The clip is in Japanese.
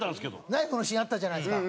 ナイフのシーンあったじゃないですか。